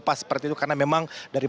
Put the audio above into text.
pas seperti itu karena memang dari